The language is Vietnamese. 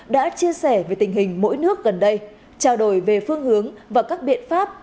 đã chia sẻ về tình hình mỗi nước gần đây trao đổi về phương hướng và các biện pháp